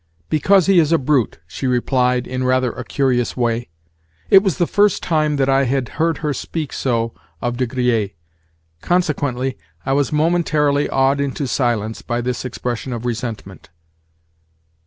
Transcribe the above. "Because he is a brute," she replied in rather a curious way. It was the first time that I had heard her speak so of De Griers: consequently, I was momentarily awed into silence by this expression of resentment.